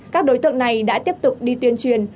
các đối tượng này đã tiếp tục đi tuyên truyền